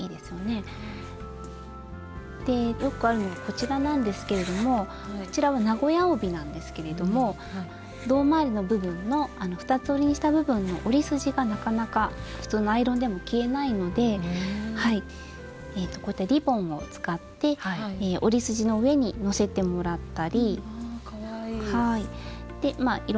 よくあるのがこちらなんですけれどもこちらは名古屋帯なんですけれども胴回りの部分の二つ折りにした部分の折り筋がなかなか普通のアイロンでも消えないのでこうやってリボンを使って折り筋の上にのせてもらったり。わかわいい。